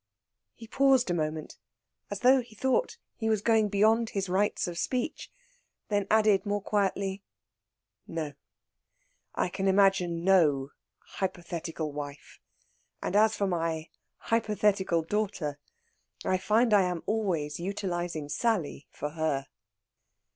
He paused a moment, as though he thought he was going beyond his rights of speech, then added more quietly: "No; I can imagine no hypothetical wife. And as for my hypothetical daughter, I find I am always utilising Sally for her."